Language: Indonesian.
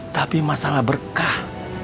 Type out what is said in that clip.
tapi masalah berkah